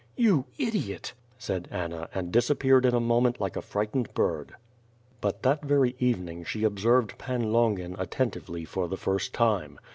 "You idiot!" said Anna, and disappeared in a moment like a frightened bird. But that very evening she observed Pan Longin attentively for the first time.